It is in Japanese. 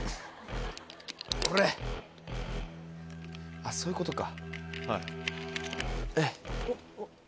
あっそういうことか。